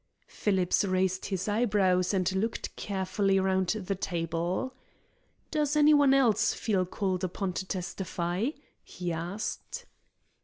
Phillips raised his eyebrows and looked carefully around the table. "Does any one else feel called upon to testify?" he asked.